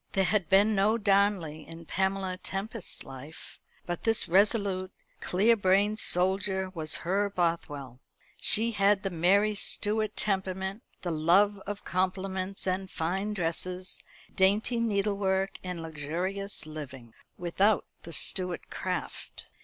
There had been no Darnley in Pamela Tempest's life; but this resolute, clear brained soldier was her Bothwell. She had the Mary Stuart temperament, the love of compliments and fine dresses, dainty needlework and luxurious living, without the Stuart craft.